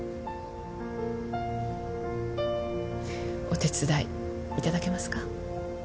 お手伝いいただけますか？